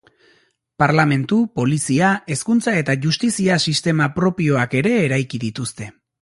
Parlementu, polizia, hezkuntza eta justizia sistema propioak ere eraiki dituzte.